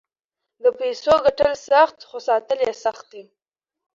د پیسو ګټل سخت خو ساتل یې سخت دي.